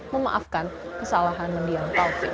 memaafkan kesalahan mendiang taufik